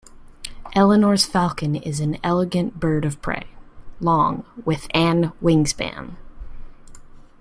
Eleonora's falcon is an elegant bird of prey, long with an wingspan.